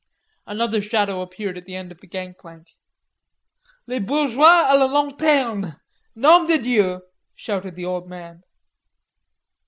Another shadow appeared at the end of the gangplank. "Les bourgeois a la lanterne, nom de dieu!" shouted the old man.